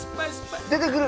出てくる。